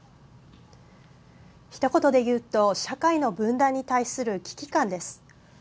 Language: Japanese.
ひとことで言うと社会の分断に対する危機感です。